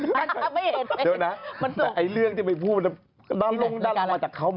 แล้วเล็ตติ้งเลยสมัยดีกว่า